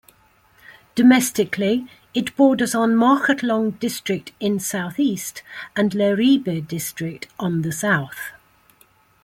Domestically, it borders on Mokhotlong District in southeast and Leribe District on the south.